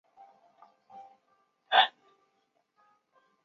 才可申请参加